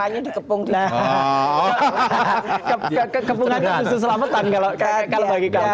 nah kepungan itu khusus selamatan kalau bagi kepungan